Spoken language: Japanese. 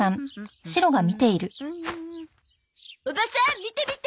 おばさん見て見て。